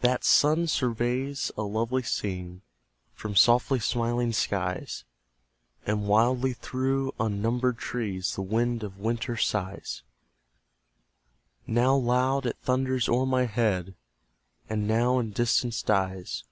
That sun surveys a lovely scene From softly smiling skies; And wildly through unnumbered trees The wind of winter sighs: Now loud, it thunders o'er my head, And now in distance dies.